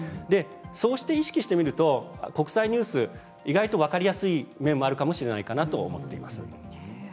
そうして意識してみると国際ニュース意外と分かりやすい面もあるかもしれないかなと思っています。